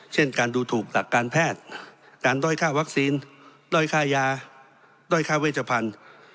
เช่นการดูถูกหลักการแพทย์การด้อยค่าวัคซีนด้อยค่ายาด้อยค่าเวชพันธุ์